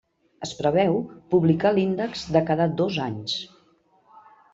Es preveu publicar l'índex de cada dos anys.